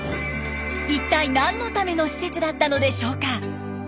一体何のための施設だったのでしょうか。